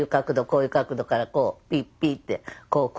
こういう角度からこうピッピッて。